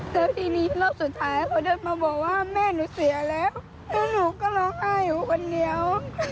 แต่ทีนี้รอบสุดท้ายเขาเดินมาบอกว่าแม่หนูเสียแล้วแล้วหนูก็ร้องไห้อยู่คนเดียว